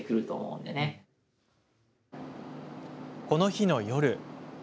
この日の夜。